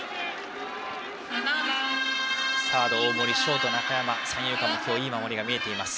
サード、大森、ショート中山三遊間今日いい守りが見えています。